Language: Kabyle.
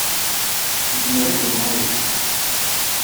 Nezmer ad d-nɛawen.